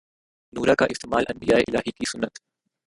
نورہ کا استعمال انبیائے الہی کی سنت